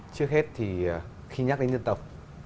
trước hết thì khi nhắc đến dân tộc